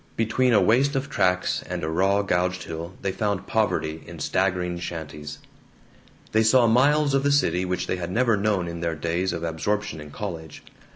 Between a waste of tracks and a raw gouged hill they found poverty in staggering shanties. They saw miles of the city which they had never known in their days of absorption in college.